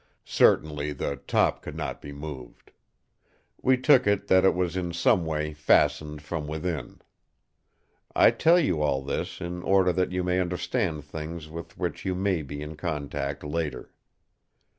Certainly the top could not be moved. We took it, that it was in some way fastened from within. I tell you all this in order that you may understand things with which you may be in contact later.